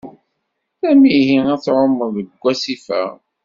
D amihi ad tɛumeḍ deg wasif-a.